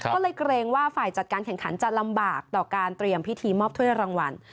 ก็เลยเกรงว่าฝ่ายจัดการแข่งขันจะลำบากต่อการเตรียมพิธีมอบถ้วยรางวัล